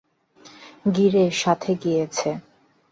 গিরে সাথে গিয়েছে।